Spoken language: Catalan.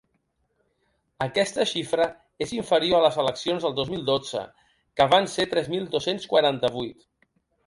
Aquesta xifra és inferior a les eleccions del dos mil dotze, que van ser tres mil dos-cents quaranta-vuit.